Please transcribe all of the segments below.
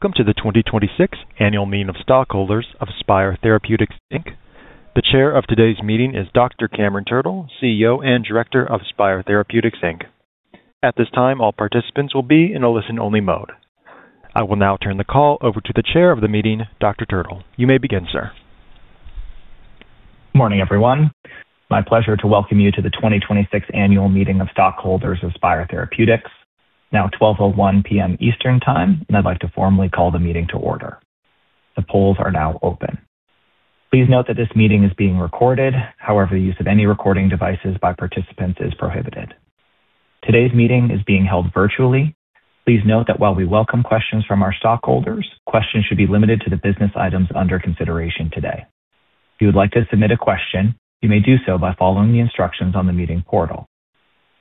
Welcome to the 2026 annual meeting of stockholders of Spyre Therapeutics, Inc. The chair of today's meeting is Dr. Cameron Turtle, CEO and director of Spyre Therapeutics, Inc. At this time, all participants will be in a listen-only mode. I will now turn the call over to the chair of the meeting, Dr. Turtle. You may begin, sir. Morning, everyone. It's my pleasure to welcome you to the 2026 annual meeting of stockholders of Spyre Therapeutics. It's now 12:01 P.M. Eastern Time, and I'd like to formally call the meeting to order. The polls are now open. Please note that this meeting is being recorded. However, the use of any recording devices by participants is prohibited. Today's meeting is being held virtually. Please note that while we welcome questions from our stockholders, questions should be limited to the business items under consideration today. If you would like to submit a question, you may do so by following the instructions on the meeting portal.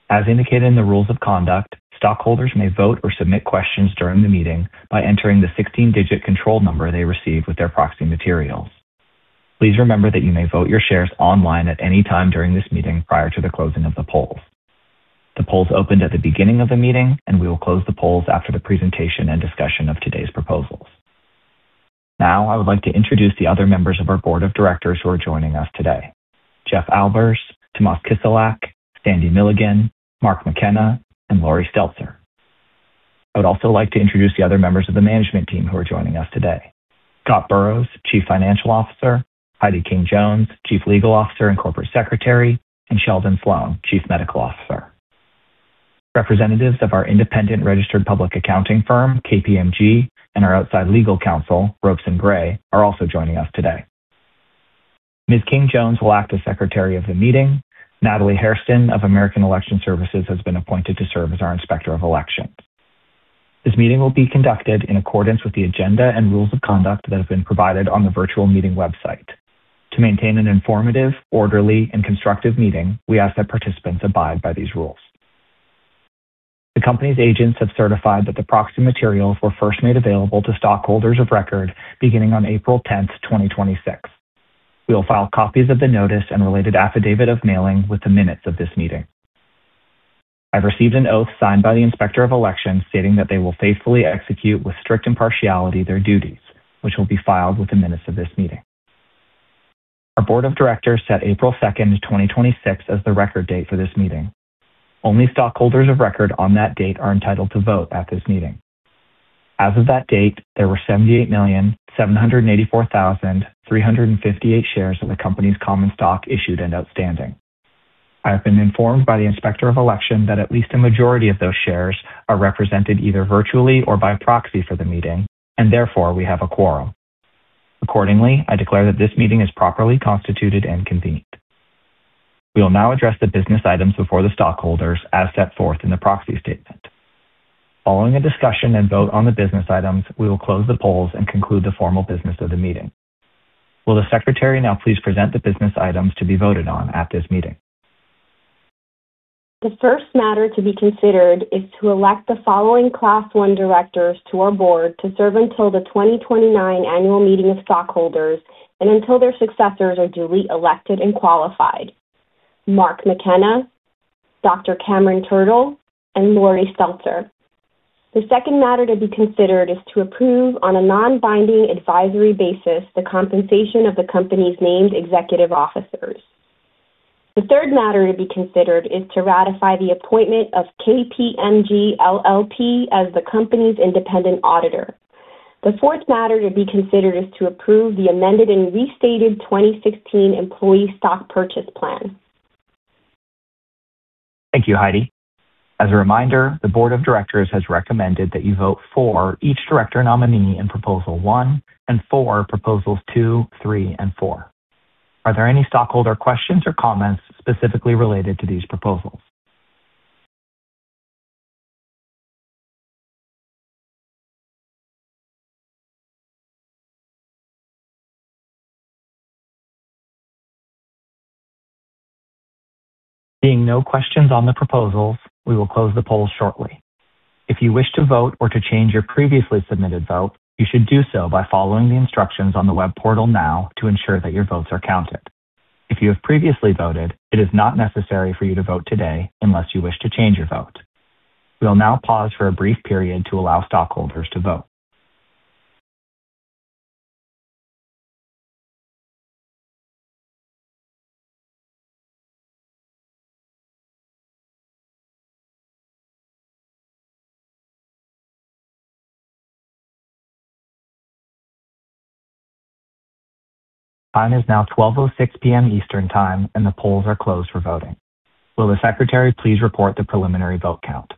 As indicated in the rules of conduct, stockholders may vote or submit questions during the meeting by entering the 16-digit control number they received with their proxy materials. Please remember that you may vote your shares online at any time during this meeting prior to the closing of the polls. The polls opened at the beginning of the meeting, and we will close the polls after the presentation and discussion of today's proposals. Now, I would like to introduce the other members of our board of directors who are joining us today. Jeffrey Albers, Tomas Kiselak, Sandra Milligan, Mark McKenna, and Laurie Stelzer. I would also like to introduce the other members of the management team who are joining us today. Scott Burrows, Chief Financial Officer, Heidy King-Jones, Chief Legal Officer and Corporate Secretary, and Sheldon Sloan, Chief Medical Officer. Representatives of our independent registered public accounting firm, KPMG, and our outside legal counsel, Ropes & Gray, are also joining us today. Ms. King-Jones will act as secretary of the meeting. Natalie Hairston of American Election Services has been appointed to serve as our inspector of elections. This meeting will be conducted in accordance with the agenda and rules of conduct that have been provided on the virtual meeting website. To maintain an informative, orderly, and constructive meeting, we ask that participants abide by these rules. The company's agents have certified that the proxy materials were first made available to stockholders of record beginning on April 10, 2026. We will file copies of the notice and related affidavit of mailing with the minutes of this meeting. I've received an oath signed by the inspector of elections stating that they will faithfully execute with strict impartiality their duties, which will be filed with the minutes of this meeting. Our board of directors set April 2nd, 2026, as the record date for this meeting. Only stockholders of record on that date are entitled to vote at this meeting. As of that date, there were 78,784,358 shares of the company's common stock issued and outstanding. I have been informed by the inspector of election that at least a majority of those shares are represented either virtually or by proxy for the meeting, and therefore, we have a quorum. Accordingly, I declare that this meeting is properly constituted and convened. We will now address the business items before the stockholders as set forth in the proxy statement. Following a discussion and vote on the business items, we will close the polls and conclude the formal business of the meeting. Will the secretary now please present the business items to be voted on at this meeting? The first matter to be considered is to elect the following Class I directors to our board to serve until the 2029 annual meeting of stockholders and until their successors are duly elected and qualified. Mark McKenna, Dr. Cameron Turtle, and Laurie Seltzer. The second matter to be considered is to approve on a non-binding advisory basis the compensation of the company's named executive officers. The third matter to be considered is to ratify the appointment of KPMG LLP as the company's independent auditor. The fourth matter to be considered is to approve the amended and restated 2016 employee stock purchase plan. Thank you, Heidy. As a reminder, the board of directors has recommended that you vote for each director nominee in Proposal one and for Proposals two, three, and four. Are there any stockholder questions or comments specifically related to these proposals? Seeing no questions on the proposals, we will close the polls shortly. If you wish to vote or to change your previously submitted vote, you should do so by following the instructions on the web portal now to ensure that your votes are counted. If you have previously voted, it is not necessary for you to vote today unless you wish to change your vote. We'll now pause for a brief period to allow stockholders to vote. The time is now 12:06 P.M. Eastern Time, and the polls are closed for voting. Will the secretary please report the preliminary vote count?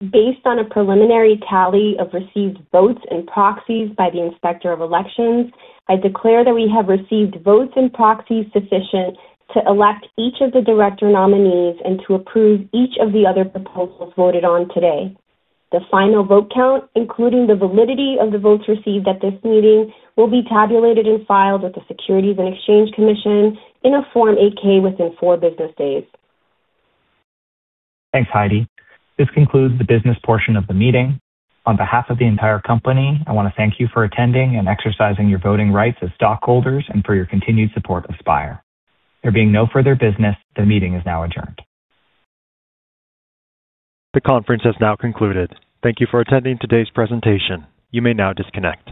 Based on a preliminary tally of received votes and proxies by the inspector of elections, I declare that we have received votes and proxies sufficient to elect each of the director nominees and to approve each of the other proposals voted on today. The final vote count, including the validity of the votes received at this meeting, will be tabulated and filed with the Securities and Exchange Commission in a Form 8-K within four business days. Thanks, Heidy. This concludes the business portion of the meeting. On behalf of the entire company, I want to thank you for attending and exercising your voting rights as stockholders and for your continued support of Spyre. There being no further business, the meeting is now adjourned. The conference has now concluded. Thank you for attending today's presentation. You may now disconnect.